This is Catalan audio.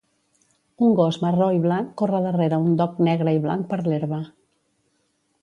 un gos marró i blanc corre darrere un dog negre i blanc per l'herba